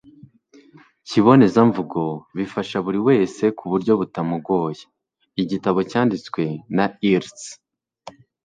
kibonezamvugo bifasha buri wese ku buryo butamugoye. igitabo cyanditswe na irst